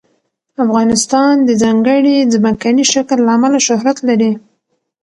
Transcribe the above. افغانستان د ځانګړي ځمکني شکل له امله شهرت لري.